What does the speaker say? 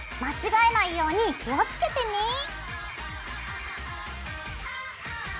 間違えないように気をつけてね。